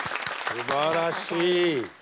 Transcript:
すばらしい。